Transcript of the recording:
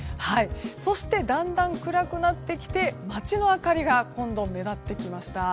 そしてだんだん、暗くなってきて街の明かりが目立ってきました。